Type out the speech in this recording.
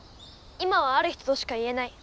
今はある人としか言えない。